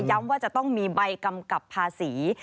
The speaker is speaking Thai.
ว่าจะต้องมีใบกำกับภาษี